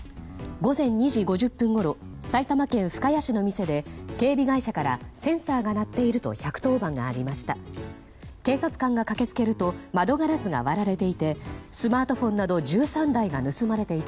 午前２時５０分ごろ埼玉県深谷市の店で警備会社からセンサーが鳴っていると１１０番がありました。